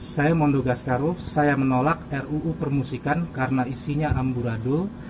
saya mondo gas karuf saya menolak ruu permusikan karena isinya amburadul